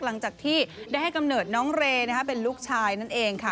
หลังจากที่ได้ให้กำเนิดน้องเรย์เป็นลูกชายนั่นเองค่ะ